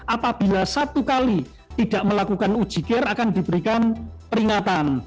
apabila satu kali tidak melakukan ujikir akan diberikan peringatan